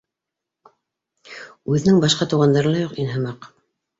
— Үҙенең башҡа туғандары ла юҡ ине һымаҡ